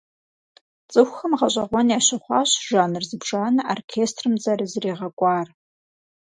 ЦӀыхухэм гъэщӀэгъуэн ящыхъуащ жанр зыбжанэ оркестрым зэрызригъэкӀуар.